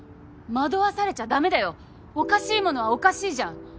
惑わされちゃだめだよおかしいものはおかしいじゃん。